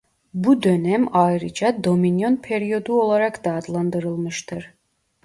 Bu dönem ayrıca dominyon periyodu olarak da adlandırılmıştır.